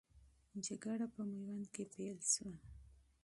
جګړه په میوند کې پیل سوه.